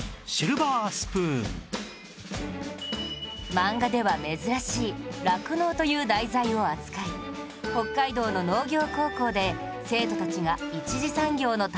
漫画では珍しい酪農という題材を扱い北海道の農業高校で生徒たちが一次産業の大変さを学んでいく